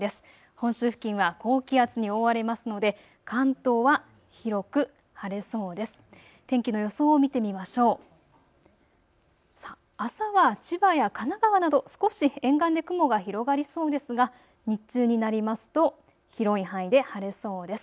本州付近は高気圧に覆われますので関東は広く晴れそうです。